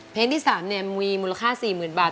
เพลงที่๓มีมูลค่า๔๐๐๐บาท